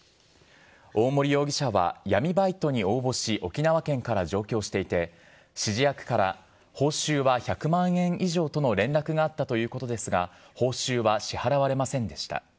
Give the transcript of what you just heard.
大森容疑者は闇バイトに応募し沖縄県から上京していて、指示役から報酬は１００万円以上との連絡があったとのことですが、報酬は支払われませんでした。